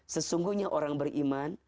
sesungguhnya orang beriman